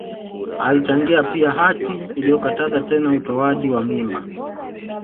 Alichangia pia hati iliyokataza tena utoaji wa mimba